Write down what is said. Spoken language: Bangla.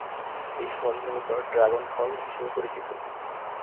এই ফল মূলত ড্রাগন ফল হিসেবে পরিচিত।